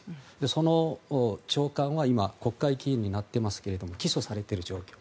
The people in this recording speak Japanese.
その長官は今、国会議員になってますけど起訴されてる状況。